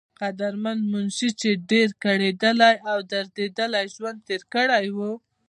قدرمند منشي، چې ډېر کړېدلے او درديدلے ژوند تير کړے وو